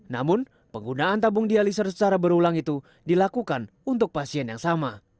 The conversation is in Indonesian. namun penggunaan tabung dialiser secara berulang itu dilakukan untuk pasien yang sama